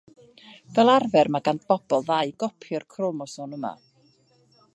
Fel arfer mae gan bobl ddau gopi o'r cromosom yma.